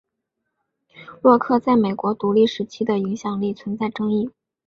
洛克在美国独立时期的影响力存在争议。